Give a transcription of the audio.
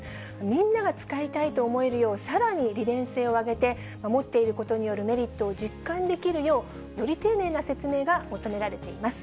みんなが使いたいと思えるよう、さらに利便性を上げて、持っていることによるメリットを実感できるよう、より丁寧な説明が求められています。